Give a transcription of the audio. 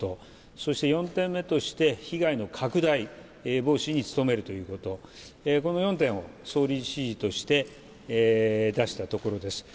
そして４点目として被害の拡大防止に努めるということこの４点を総理指示として出したところです。